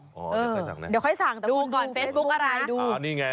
เดี๋ยวค่อยสั่งแต่คุณคุณดูเฟซบุ๊กนะ